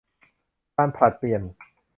การผลัดเปลี่ยน